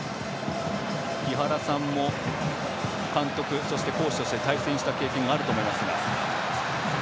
井原さんも監督そしてコーチとして対戦した経験があると思いますが。